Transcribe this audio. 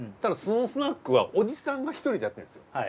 そのスナックはおじさんが一人でやってるんですよ。